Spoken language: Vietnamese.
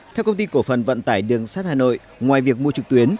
theo công ty cổ phần vận tải đường sắt hà nội ngoài việc mua trực tuyến